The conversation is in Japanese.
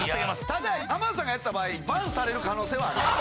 ただ浜田さんがやった場合バンされる可能性はあります。